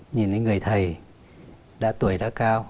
nhìn thấy người thầy đã tuổi đã cao